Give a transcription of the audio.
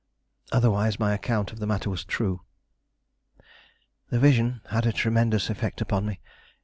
Otherwise my account of the matter was true. This vision had a tremendous effect upon me.